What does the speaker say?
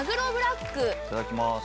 いただきます。